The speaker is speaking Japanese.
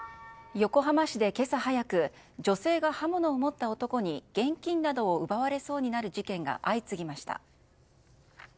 横浜市で今朝早く女性が刃物を持った男に現金などを奪われそうになる事件が相次ぎました。